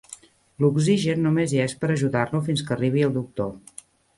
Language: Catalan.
L'oxigen només hi és per ajudar-lo fins que arribi el doctor.